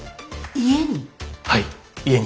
家に？